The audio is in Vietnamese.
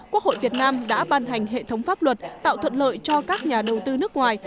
quốc hội việt nam đã ban hành hệ thống pháp luật tạo thuận lợi cho các nhà đầu tư nước ngoài